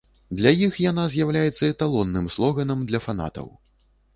Для іх яна з'яўляецца эталонным слоганам для фанатаў.